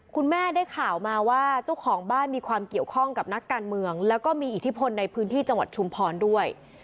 คุณแม่ได้ข่าวมาว่าเจ้าของบ้านมีความเกี่ยวข้องกับนักการเมืองแล้วก็มีอิทธิพลในพื้นที่จังหวัดชุมพรด้วย